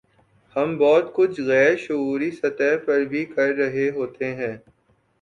ہم بہت کچھ غیر شعوری سطح پر بھی کر رہے ہوتے ہیں۔